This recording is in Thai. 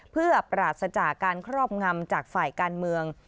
เพื่อปราศจากการครอบงำจากฝ่ายการเมือง